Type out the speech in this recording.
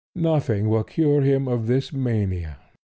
Nothing will cure him of this mania.